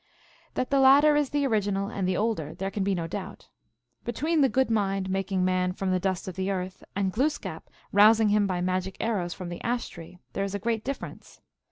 That the latter is the original and the older there can be no doubt. Between the " Good Mind," making man " from the dust of the earth," and Glooskap, rousing him by magic arrows from the ash tree, there is a great difference.